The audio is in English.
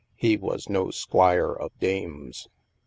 He was no squire of dames.